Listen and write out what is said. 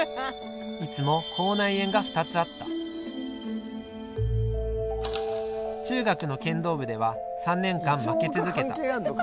いつも口内炎が２つあった中学の剣道部では３年間負け続けた。